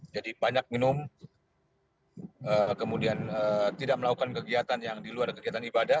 jadi banyak minum kemudian tidak melakukan kegiatan yang di luar kegiatan ibadah